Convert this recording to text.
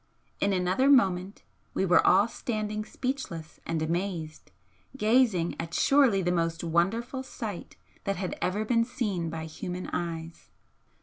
In another moment we were all standing speechless and amazed, gazing at surely the most wonderful sight that had ever been seen by human eyes.